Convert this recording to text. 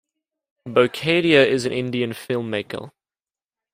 Bokadia is an Indian filmmaker.